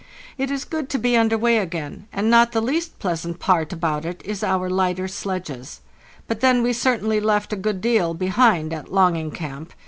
It is good to be under way again, and not the least pleasant part about it is our lighter sledges; but then we certainly left a good deal behind at 'Longing Camp.